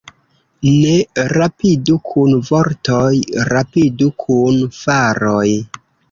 Ne rapidu kun vortoj, rapidu kun faroj.